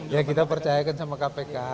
ya kita percayakan sama kpk